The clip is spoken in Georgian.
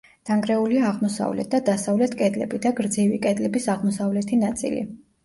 დანგრეულია აღმოსავლეთ და დასავლეთ კედლები და გრძივი კედლების აღმოსავლეთი ნაწილი.